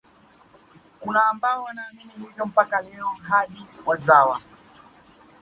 Kuna ambao wanaamini hivyo mpaka leo hadi wazawa